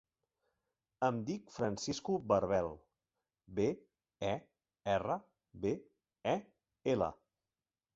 Em dic Francisco Berbel: be, e, erra, be, e, ela.